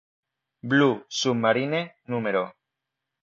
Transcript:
Blue Submarine No.